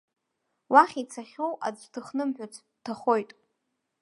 Уахь ицахьоу аӡә дыхнымҳәыц, дҭахоит!